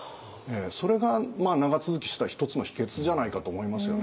それが長続きした一つの秘訣じゃないかと思いますよね。